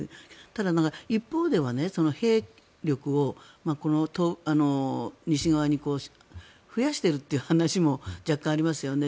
ただ、一方では兵力を西側に増やしているという話も若干ありますよね。